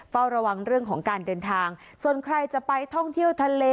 เฝ้าระวังเรื่องของการเดินทางส่วนใครจะไปท่องเที่ยวทะเล